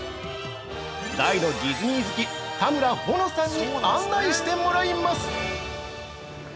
大のディズニー好き、田村保乃さんに案内してもらいます！